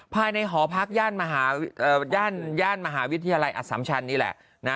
ภายในหอพักย่านมหาวิทยาลัยอสัมชันนี่แหละ